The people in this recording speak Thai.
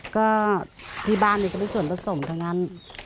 ก็ที่บ้านจริงส่วนผสมทางนั้น